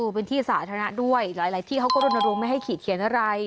เป็นที่สาธารณะด้วยหลายที่เขาก็รณรงค์ไม่ให้ขีดเขียนอะไร